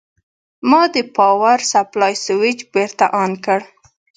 ما د پاور سپلای سویچ بېرته آن کړ.